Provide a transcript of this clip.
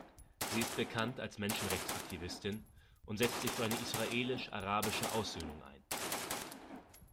Sie ist bekannt als Menschenrechtsaktivistin und setzt sich für eine israelisch-arabische Aussöhnung ein.